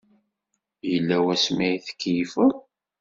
Yella wasmi ay tkeyyfeḍ?